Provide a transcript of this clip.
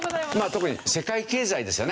特に世界経済ですよね。